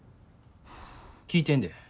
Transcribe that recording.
聞いてんで。